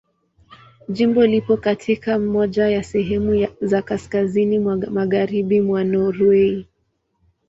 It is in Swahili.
Jimbo lipo katika moja ya sehemu za kaskazini mwa Magharibi mwa Norwei.